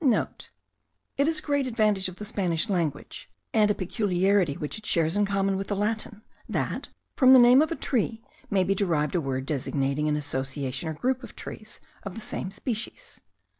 *(* It is a great advantage of the Spanish language, and a peculiarity which it shares in common with the Latin, that, from the name of a tree, may be derived a word designating an association or group of trees of the same species.